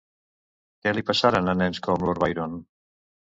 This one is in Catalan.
Què li passaran a nens amb lord Byron?